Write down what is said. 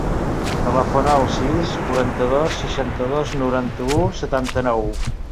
Telefona al sis, quaranta-dos, seixanta-dos, noranta-u, setanta-nou.